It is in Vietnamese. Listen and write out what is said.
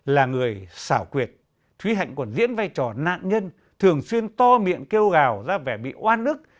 là người xảo quyệt thúy hạnh còn diễn vai trò nạn nhân thường xuyên to miệng kêu gào ra vẻ bị oan nức